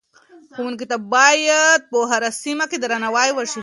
ښوونکو ته باید په هره سیمه کې درناوی وشي.